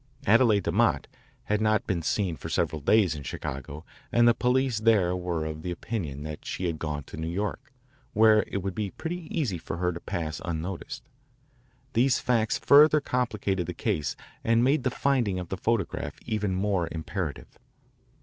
Adele DeMott had not been seen for several days in Chicago and the police there were of the opinion that she had gone to New York, where it would be pretty easy for her to pass unnoticed. These facts further complicated the case and made the finding of the photograph even more imperative.